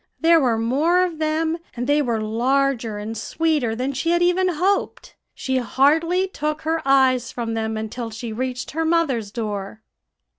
There were more of them, and they were larger and sweeter, than she had even hoped. She hardly took her eyes from them until she reached her mother's door.